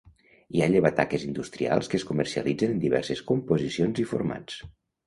Hi ha llevataques industrials que es comercialitzen en diverses composicions i formats.